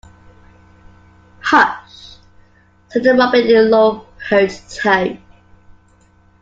Hush!’ said the Rabbit in a low, hurried tone.